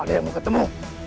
ada yang mau ketemu